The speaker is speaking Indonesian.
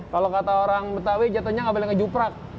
kalau kata orang betawi jatuhnya nggak boleh ngejuprak